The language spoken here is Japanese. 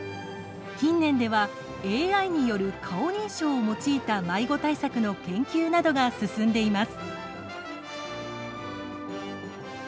近年では、ＡＩによる顔認証を用いた迷子対策の研究などが進んでいます。